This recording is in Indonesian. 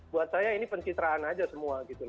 buat saya ini pencitraan aja semua